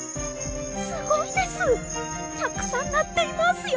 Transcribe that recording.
すごいですたくさんなっていますよ！